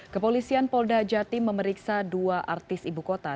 kepolisian polda jati memeriksa dua artis ibu kota